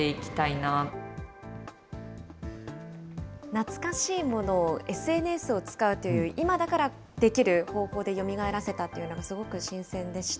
懐かしいものをＳＮＳを使うという、今だからできる方法でよみがえらせたというのがすごく新鮮でした。